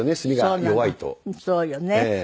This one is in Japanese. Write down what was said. そうよね。